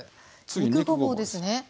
肉ごぼうですね。